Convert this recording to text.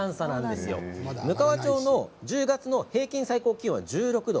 むかわ町の１０月の平均最高気温は１６度。